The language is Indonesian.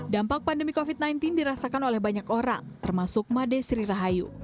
dampak pandemi covid sembilan belas dirasakan oleh banyak orang termasuk made sri rahayu